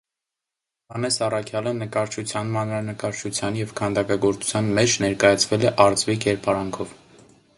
Հովհաննես առաքյալը նկարչության, մանրանկարչության և քանդակագործության մեջ ներկայացվել է արծվի կերպարանքով։